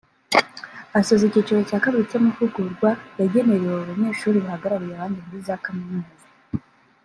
Asoza icyiciro cya kabiri cy’amahugurwa yagenerewe Abanyeshuri bahagarariye abandi muri za Kaminuza